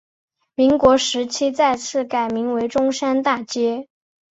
民国时期再次改名为中山大街。